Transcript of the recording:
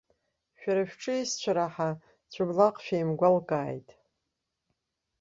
Шәара шәҿы исцәараҳа, цәаблаҟ шәеимгәалкааит.